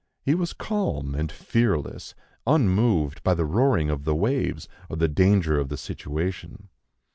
He was calm and fearless, unmoved by the roaring of the waves or the danger of the situation.